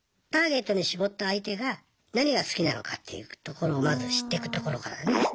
ターゲットに絞った相手が何が好きなのかっていうところをまず知っていくところからね。